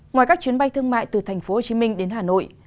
ngoài các chuyến bay thương mại từ thành phố hồ chí minh đến hà nội